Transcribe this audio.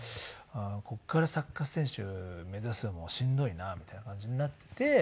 ここからサッカー選手目指すのもしんどいなみたいな感じになって。